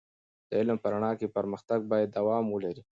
د علم په رڼا کې پر مختګ باید دوام ولري.